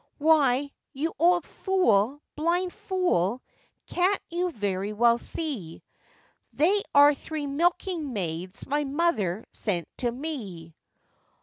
'Why, you old fool! blind fool! can't you very well see, They are three milking maids my mother sent to me?